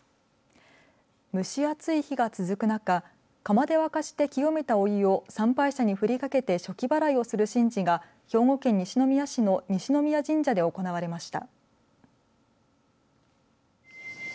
蒸し暑い日が続く中かまで沸かして清めたお湯を参拝者にふりかけて暑気払いをする神事が兵庫県西宮市の西宮神社で行われました。